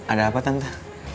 ada apa tante